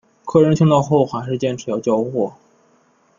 客人听到后还是坚持要交货